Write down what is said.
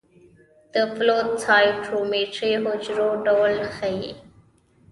د فلو سايټومېټري حجرو ډول ښيي.